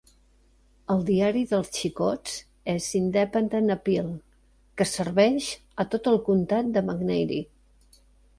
El diari dels xicots és "Independent Appeal" que es serveix a tot el comtat de McNairy.